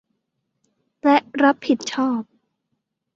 และรับผิดชอบ